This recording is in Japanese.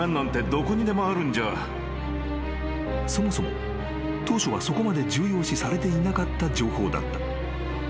［そもそも当初はそこまで重要視されていなかった情報だった］